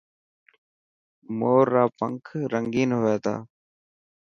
مور را پر رنگين هئي تا.